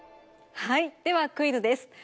はいではクイズです！